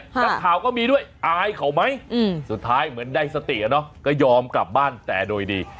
นักข่าวก็มีด้วยอายเขาไหมสุดท้ายเหมือนได้สติอะเนาะก็ยอมกลับบ้านแต่โดยดี